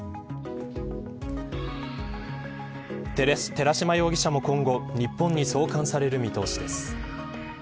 寺島容疑者も今後日本に送還される見通しです。